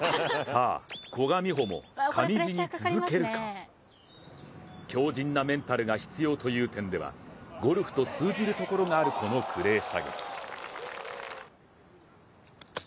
さあ、古閑美保も上地に続けるか強じんなメンタルが必要という点ではゴルフと通じるところがあるこのクレー射撃。